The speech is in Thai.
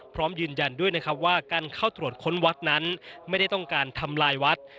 พร้อมยืนยันด้วยนะครับว่าการเข้าตรวจค้นวัดนั้นไม่ได้ต้องการทำลายวัด